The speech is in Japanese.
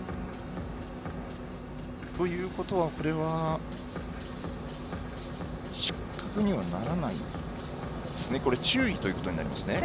ということはこれは失格にはならないですか注意ということですね。